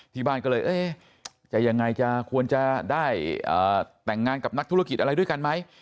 ที่บ้านก็เลยเอ๊ะจะยังไงจะควรจะได้แต่งงานกับนักธุรกิจอะไรด้วยกันไหม